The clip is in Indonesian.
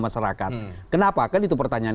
masyarakat kenapa kan itu pertanyaan